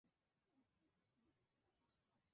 Entertainment Televisión.